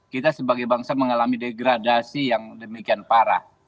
kita sebagai bangsa mengalami degradasi yang demikian parah